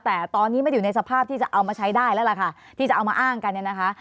แต่ตอนนี้ไม่ได้อยู่ในสภาพที่จะเอามาใช้ได้แล้วล่ะค่ะที่จะเอามาอ้างกันเนี่ยนะคะ